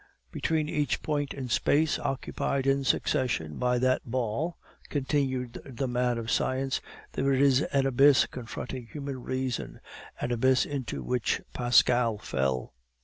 "Between each point in space occupied in succession by that ball," continued the man of science, "there is an abyss confronting human reason, an abyss into which Pascal fell.